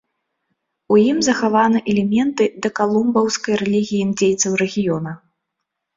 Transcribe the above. У ім захаваны элементы дакалумбаўскай рэлігіі індзейцаў рэгіёна.